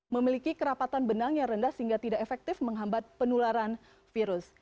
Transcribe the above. memiliki kerapatan benang yang rendah sehingga tidak efektif menghambat penularan virus